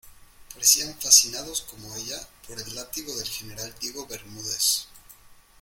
parecían fascinados como ella, por el látigo del general Diego Bermúdez.